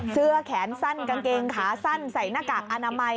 เสื้อแขนสั้นกางเกงขาสั้นใส่หน้ากากอนามัย